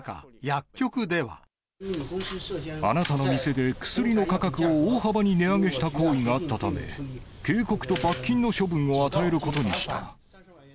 あなたの店で、薬の価格を大幅に値上げした行為があったため、警告と罰金の処分を与えることにした。